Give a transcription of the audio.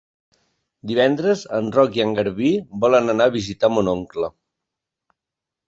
Divendres en Roc i en Garbí volen anar a visitar mon oncle.